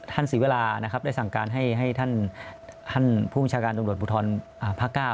ท่านศรีวราได้สั่งการให้ท่านผู้มิชาการตรงรวดบุธรพระเก้า